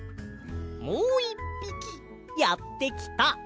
もう１ぴきやってきた。